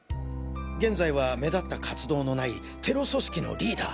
現在は目立った活動のないテロ組織のリーダー。